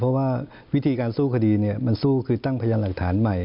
เพราะว่าวิธีการสู้คดีมันสู้คือตั้งพยานหลักฐานใหม่